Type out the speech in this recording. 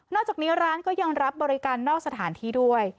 จากนี้ร้านก็ยังรับบริการนอกสถานที่ด้วย